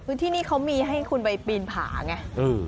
มองนี่ต้องอย่ามีให้คุณไปปีนผ่าไง